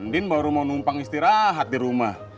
din baru mau numpang istirahat di rumah